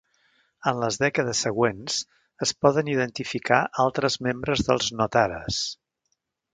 En les dècades següents es poden identificar altres membres dels Notaras.